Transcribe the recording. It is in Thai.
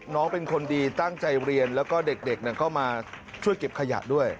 น้องเป็นคนดีตั้งใจเรียนแล้วก็เด็กก็มาช่วยเก็บขยะด้วย